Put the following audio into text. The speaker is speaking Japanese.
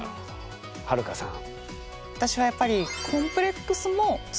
はるかさんは？